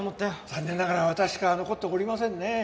残念ながら私しか残っておりませんねえ。